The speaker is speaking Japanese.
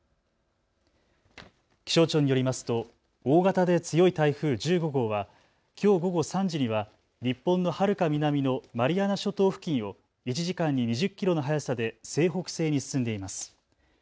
気象庁によりますと大型で強い台風１５号はきょう午後３時には日本のはるか南のマリアナ諸島付近を１時間に２０キロの速さで西北西に進んでいます。